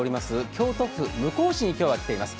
京都府向日市に今日は来ています。